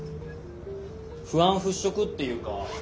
不安払拭っていうか